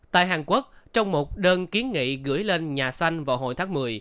tại hàn quốc trong một đơn kiến nghị gửi lên nhà xanh vào hồi tháng một mươi